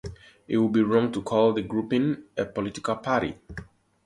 It would be wrong to call the grouping a political party.